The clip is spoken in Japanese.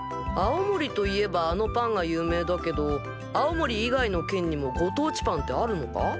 青森といえばあのパンが有名だけど青森以外の県にもご当地パンってあるのか？